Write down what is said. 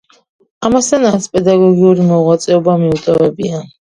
ამასთან არც პედაგოგიური მოღვაწეობა მიუტოვებია.